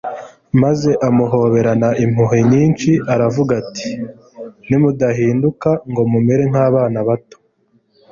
maze amuhoberana impuhwe nyinshi, aravuga ati :« Nimudahinduka ngo mumere nk'abana bato,